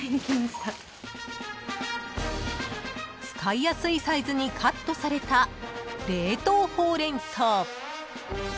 ［使いやすいサイズにカットされた冷凍ほうれん草］